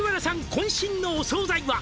「こん身のお惣菜は」